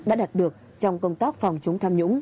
đã đạt được trong công tác phòng chống tham nhũng